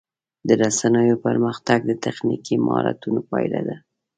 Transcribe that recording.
د رسنیو پرمختګ د تخنیکي مهارتونو پایله ده.